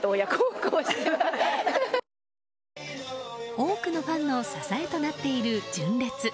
多くのファンの支えとなっている純烈。